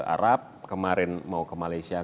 arab kemarin mau ke malaysia